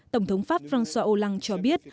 tổng thống pháp phanxuaholang cho biết